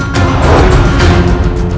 tunggu apalah serang dia